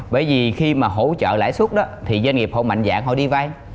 bởi vì khi mà hỗ trợ lãi suất đó thì doanh nghiệp họ mạnh dạng họ đi vay